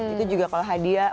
itu juga kalau hadiah